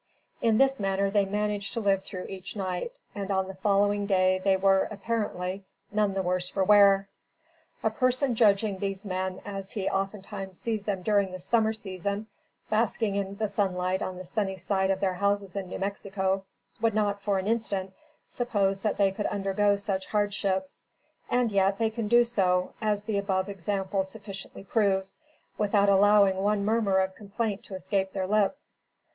In this manner they managed to live through each night, and on the following day they were, apparently, none the worse for wear. A person judging these men as he oftentimes sees them during the summer season, basking in the sunlight on the sunny side of their houses in New Mexico, would not, for an instant, suppose that they could undergo such hardships; and yet, they can do so, as the above example sufficiently proves, without allowing one murmur of complaint to escape their lips.